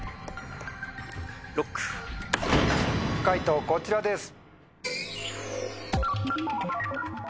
解答こちらです。